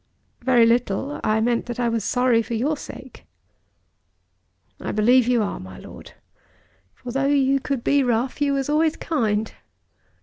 "Very little. I meant that I was sorry for your sake." "I believe you are, my Lord. For though you could be rough you was always kind.